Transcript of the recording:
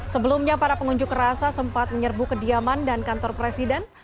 sebelumnya para pengunjuk rasa sempat menyerbu kediaman dan kantor presiden